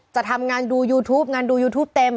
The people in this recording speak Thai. จะทำงานดูยูทูปงานดูยูทูปเต็ม